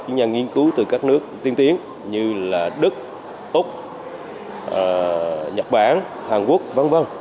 những nhà nghiên cứu từ các nước tiên tiến như là đức úc nhật bản hàn quốc v v